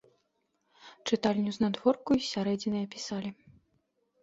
Чытальню з надворку й з сярэдзіны апісалі.